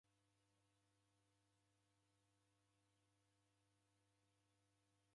Kushoma ndokune kusia mpaka iji kwafa